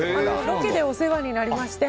ロケでお世話になりまして。